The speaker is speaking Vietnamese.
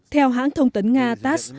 theo hãng thông tấn nga tass